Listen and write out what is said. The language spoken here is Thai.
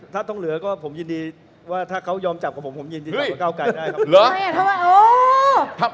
ถ้าต้องเหลือก็ผมยินดีว่าถ้าเขายอมจับกับผมผมยินดีกับเก้าไกลได้ครับ